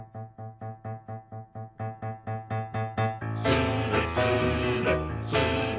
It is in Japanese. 「スレスレスレスレ」